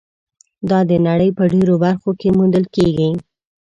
دا د نړۍ په ډېرو برخو کې موندل کېږي.